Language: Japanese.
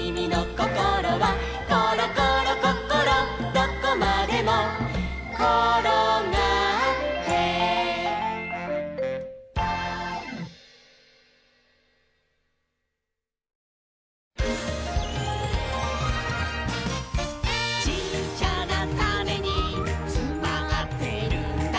どこまでもころがって」「ちっちゃなタネにつまってるんだ」